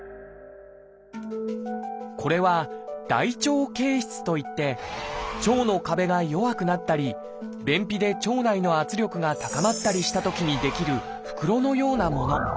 これは「大腸憩室」といって腸の壁が弱くなったり便秘で腸内の圧力が高まったりしたときに出来る袋のようなもの。